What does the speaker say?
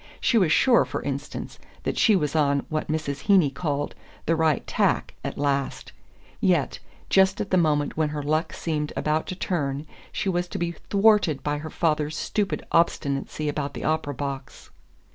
She was sure, for instance, that she was on what Mrs. Heeny called "the right tack" at last: yet just at the moment when her luck seemed about to turn she was to be thwarted by her father's stupid obstinacy about the opera box...